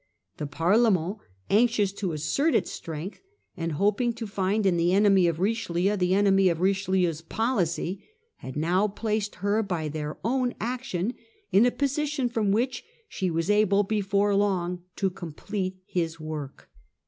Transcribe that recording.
The Parlement , anxious to assert its strength, and hoping to find in the enemy of Richelieu the enemy i 643* Richelieu and Mazarin. 17 of Richelieu's policy, had now placed her by their own action in a position from which she was able before long to complete his work.